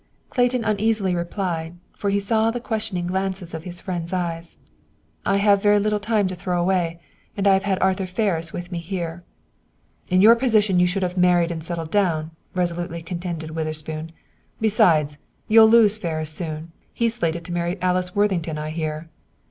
Clayton uneasily replied, for he saw the questioning glances of his friend's eyes, "I have very little time to throw away. And I have had Arthur Ferris with me here." "In your position you should have already married and settled down," resolutely contended Witherspoon. "Besides, you'll lose Ferris soon. He's slated to marry Alice Worthington, I hear."